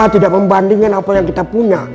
tidak membandingkan apa yang kita punya